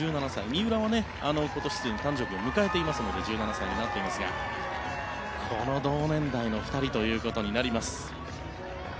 三浦は今年誕生日を迎えていますので１７歳になっていますがこの同年代の２人となります。